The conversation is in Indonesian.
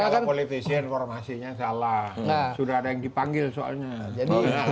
ada politisi informasinya salah sudah ada yang dipanggil soalnya